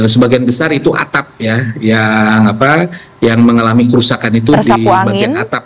sebagian besar itu atap ya yang mengalami kerusakan itu di bagian atap